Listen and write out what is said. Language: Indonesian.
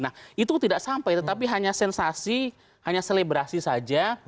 nah itu tidak sampai tetapi hanya sensasi hanya selebrasi saja